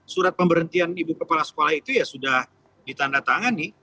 surat pemberhentian ibu kepala sekolah itu ya sudah ditandatangani